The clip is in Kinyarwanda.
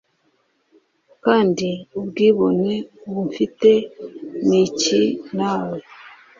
Kandi ubwibone ubu mfite iki nawe